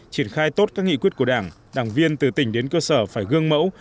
triển khai tốt các nghị quyết của đảng đảng viên từ tỉnh đến cơ sở phải gương mẫu